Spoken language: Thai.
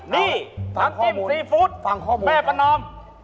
นี่น้ำจิ้มซีฟู้ดแม่พันธ์นอม